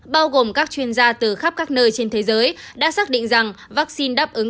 bao gồm các chuyên gia từ khắp các nơi trên thế giới đã xác định rằng vaccine đáp ứng